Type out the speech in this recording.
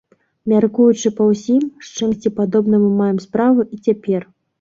Мяркуючы па ўсім, з чымсьці падобным мы маем справу і цяпер.